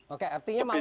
oke artinya malam